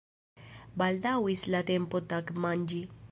Baldaŭis la tempo tagmanĝi.